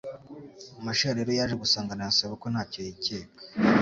Mashira rero yaje gusanganira Sebukwe ntacyo yikeka,